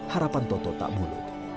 harapan toto tak bulut